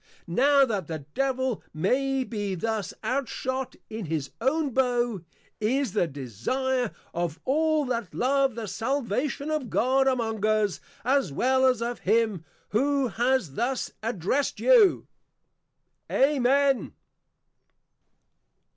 Now that the Devil may be thus outshot in his own Bow, is the desire of all that love the Salvation of God among us, as well as of him, who has thus Addressed you. _Amen.